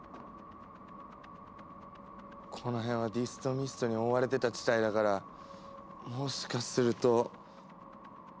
この辺はディストミストに覆われてた地帯だからもしかすると。